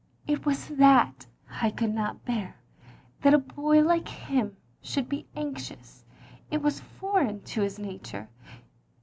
"It was that I could not bear, that a boy like him should be anxious; it was foreign to his nature.